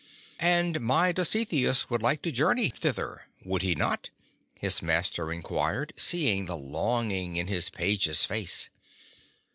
''And my Dositheus would like to journey thither — would he not ?" his master inquired, seeing the longing in his page's face.